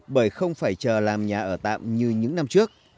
bởi không phải chờ làm nhà ở tạm như những năm trước